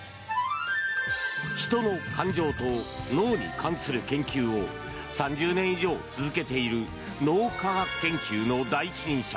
人の感情と脳に関する研究を３０年以上続けている脳科学研究の第一人者